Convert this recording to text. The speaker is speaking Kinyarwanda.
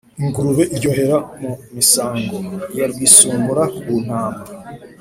Ingurube iryohera mu misango, Iya rwisumbura ku ntama,